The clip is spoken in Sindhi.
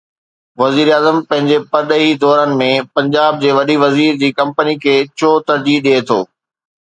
وزير اعظم پنهنجي پرڏيهي دورن ۾ پنجاب جي وڏي وزير جي ڪمپني کي ڇو ترجيح ڏئي ٿو؟